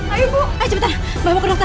ayo bu ayo cepetan bawa ke dokter